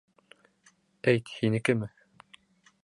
Әйт, һинекеме?